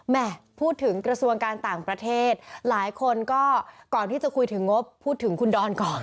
พูดถึงกระทรวงการต่างประเทศหลายคนก็ก่อนที่จะคุยถึงงบพูดถึงคุณดอนก่อน